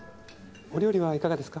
お料理はいかがですか？